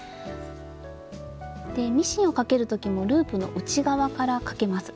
ミシンをかける時もループの内側からかけます。